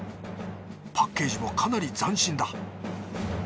パッケージもかなり斬新だ。